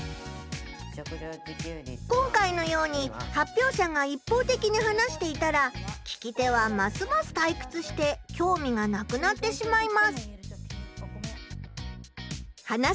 今回のように発表者がいっぽうてきに話していたら聞き手はますますたいくつしてきょうみがなくなってしまいます。